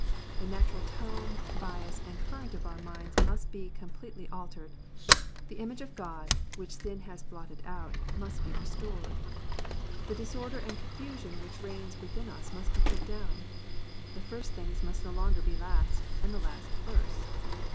The natural tone, bias, and current of our minds must be com pletely altered. The image of God, which sin has blotted out, must be restored. The disorder and confusion which reigns within us must be put down. The first things must no longer be last, and the last first.